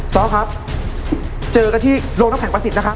ซ้อครับเจอกันที่โรงน้ำแข็งประสิทธินะครับ